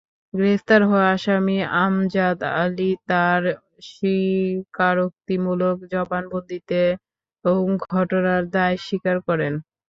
গ্রেপ্তার হওয়া আসামি আমজাদ আলী তঁার স্বীকারোক্তিমূলক জবানবন্দিতেও ঘটনার দায় স্বীকার করেন।